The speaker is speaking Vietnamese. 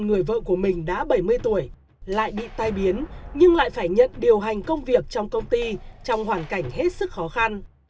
người vợ của mình đã bảy mươi tuổi lại bị tai biến nhưng lại phải nhận điều hành công việc trong công ty trong hoàn cảnh hết sức khó khăn